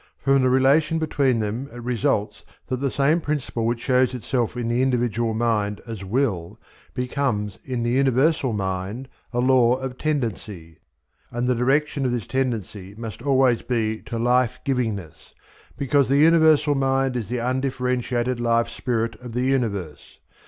From the relation between them it results that the same principle which shows itself in the individual mind as Will, becomes in the universal mind a Law of Tendency; and the direction of this tendency must always be to life givingness, because the universal mind is the undifferentiated Life spirit of the universe.